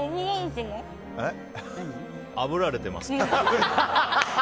あぶられています。